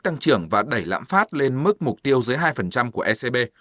tăng trưởng và đẩy lãm phát lên mức mục tiêu dưới hai của ecb